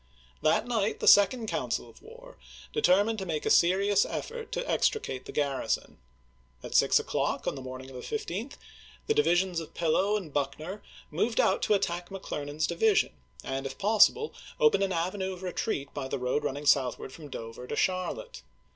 That night the second council of war determined to make a serious effort to extricate the garrison. At six o'clock on the morning of the 15th the di\dsions of Pillow and Buckner moved out to attack McClernand's di vision, and if possible open an avenue of retreat by the road running southward from Dover to Char lotte.